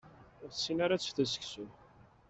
Ur tessin ara ad teftel seksu.